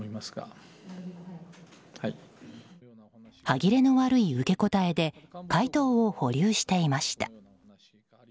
歯切れの悪い受け答えで回答を保留していました。